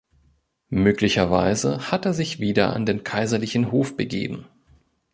Möglicherweise hat er sich wieder an den kaiserlichen Hof begeben.